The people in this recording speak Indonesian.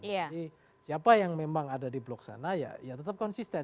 jadi siapa yang memang ada di blok sana ya tetap konsisten